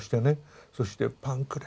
そして「パンくれ！